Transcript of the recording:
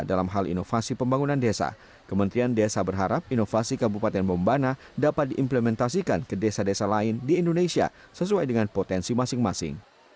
dalam hal inovasi pembangunan desa kementerian desa berharap inovasi kabupaten bombana dapat diimplementasikan ke desa desa lain di indonesia sesuai dengan potensi masing masing